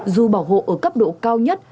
dù bảo hộ ở cấp độ cao nhất